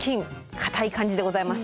硬い感じでございます。